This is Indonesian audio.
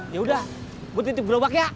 yaudah gua titip gerobak ya